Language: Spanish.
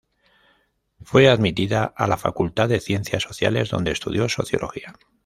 Fue admitida a la Facultad de Ciencias Sociales donde estudió sociología.